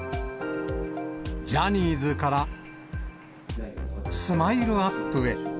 ジャニーズから、スマイルアップへ。